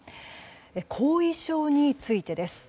後遺症についてです。